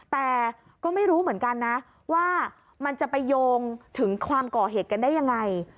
แต่ก็ไม่รู้เหมือนกันนะว่ามันจะไปโยงถึงความก่อเหตุกันได้ยังไง